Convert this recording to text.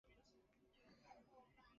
ギリシャの叙情詩人